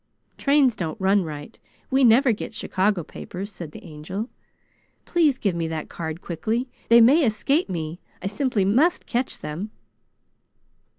"Trains don't run right. We never get Chicago papers," said the Angel. "Please give me that card quickly. They may escape me. I simply must catch them!"